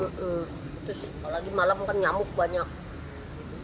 terus kalau di malam kan nyamuk banyak